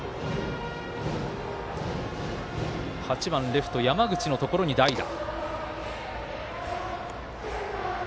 ８番レフト、山口のところに代打。